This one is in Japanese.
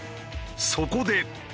そこで。